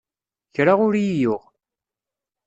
Kra ur i-yuɣ.